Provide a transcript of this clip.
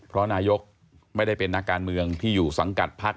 เพราะนายกไม่ได้เป็นนักการเมืองที่อยู่สังกัดพัก